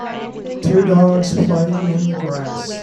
Two dogs playing in the grass